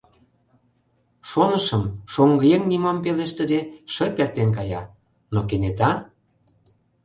Шонышым, шоҥгыеҥ нимом пелештыде, шып эртен кая, но кенета...